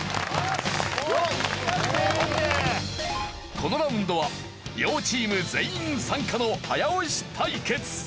このラウンドは両チーム全員参加の早押し対決。